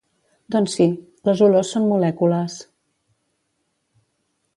Doncs sí, les olors són molècules.